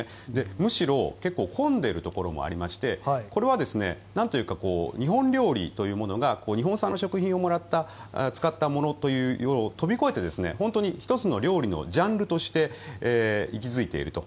むしろ結構混んでるところもありましてこれは日本料理というものが日本産の食品を使ったものということを飛び越えて、本当に１つの料理のジャンルとして息づいていると。